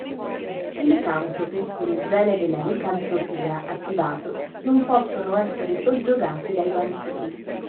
I licantropi con il gene della licantropia attivato non possono essere soggiogati dai vampiri.